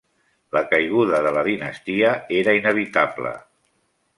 La caiguda de la dinastia era inevitable.